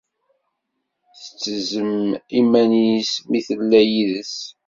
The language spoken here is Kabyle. tettezzem iman-is imi tella yid-s.